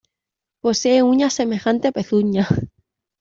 Posee uñas semejantes a pezuñas.